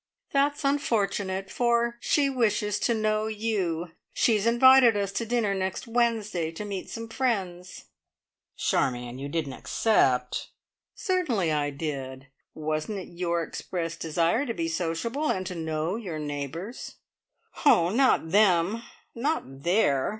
"That's unfortunate, for she wishes to know you. She has invited us to dinner next Wednesday to meet some friends." "Charmion! You didn't accept?" "Certainly I did. Wasn't it your express desire to be sociable, and to know your neighbours?" "Oh, not them not there!